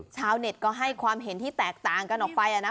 ชาวเน็ตก็ให้ความเห็นที่แตกต่างกันออกไปนะ